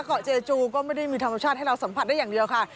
เกาะเจจูก็ไม่ได้มีธรรมชาติให้เราสัมผัสได้อย่างเดียวค่ะ